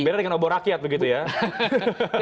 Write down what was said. beda dengan obor rakyat begitu ya